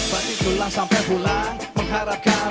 mati pulang sampai pulang mengharapkan berdua